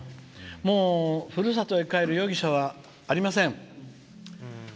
もう、ふるさとへ帰る夜汽車はありません。